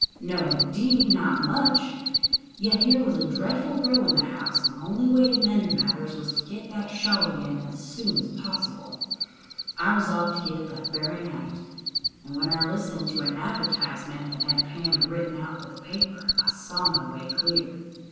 No indeed not much! Yet here was a dreadful row in the house, and the only way to mend matters was to get that shawl again as soon as possible. I resolved to get it that very night, and when I listened to an advertisement that Aunt Pam had written out for the paper, I saw my way clear.